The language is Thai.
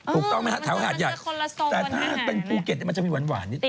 ถูกต้องไหมฮะแถวหาดใหญ่แต่ถ้าเป็นภูเก็ตมันจะมีหวานนิดน